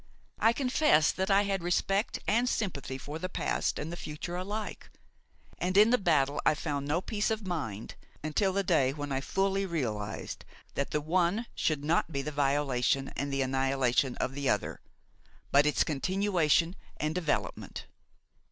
I confess that I had respect and sympathy for the past and the future alike, and in the battle I found no peace of mind until the day when I fully realized that the one should not be the violation and the annihilation of the other, but its continuation and development.